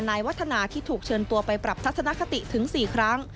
วัฒนาที่ถูกเชิญตัวไปปรับทัศนคติถึง๔ครั้ง